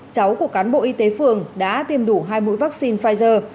cháu của cán bộ y tế phường đã tiêm đủ hai mũi vaccine pfizer